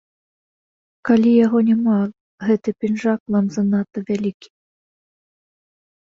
Калі яго няма, гэты пінжак вам занадта вялікі.